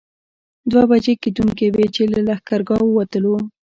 دوه بجې کېدونکې وې چې له لښکرګاه ووتلو.